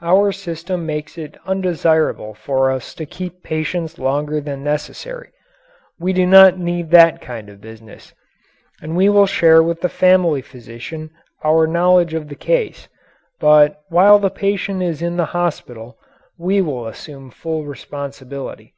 Our system makes it undesirable for us to keep patients longer than necessary we do not need that kind of business. And we will share with the family physician our knowledge of the case, but while the patient is in the hospital we assume full responsibility.